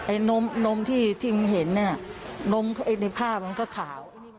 นมที่มึงเห็นน่ะนมในภาพมันก็ขาว